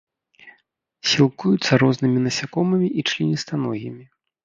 Сілкуюцца рознымі насякомымі і членістаногімі.